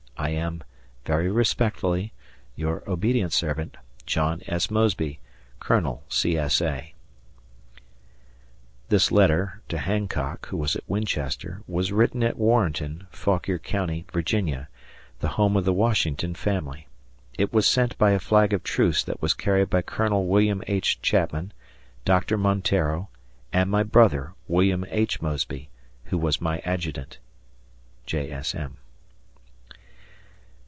I am, Very respectfully, Your obedient servant, John S. Mosby, Colonel C. S. A. (This letter to Hancock, who was at Winchester, was written at Warrenton, Fauquier Co., Va., the home of the Washington family. It was sent by a flag of truce that was carried by Colonel Wm. H. Chapman, Dr. Monteiro, and my brother, Wm. H. Mosby, who was my adjutant. J. S. M.)